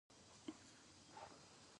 افغانستان د اتلانو هیواد دی